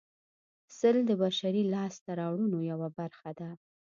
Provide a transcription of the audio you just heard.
سل د بشري لاسته راوړنو یوه برخه ده